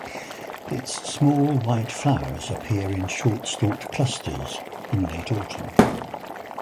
Its small white flowers appear in short-stalked clusters in late autumn.